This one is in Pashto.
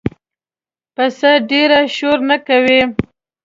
پسه ډېره شور نه کوي.